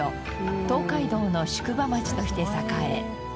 東海道の宿場町として栄え。